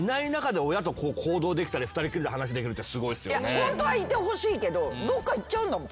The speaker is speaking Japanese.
ホントはいてほしいけどどっか行っちゃうんだもん。